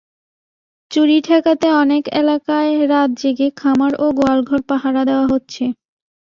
চুরি ঠেকাতে অনেক এলাকায় রাত জেগে খামার ও গোয়ালঘর পাহারা দেওয়া হচ্ছে।